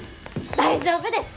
大丈夫です！